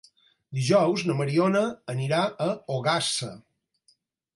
Dijous na Mariona anirà a Ogassa.